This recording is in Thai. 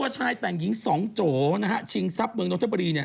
ชายแต่งหญิงสองโจนะฮะชิงทรัพย์เมืองนทบุรีเนี่ย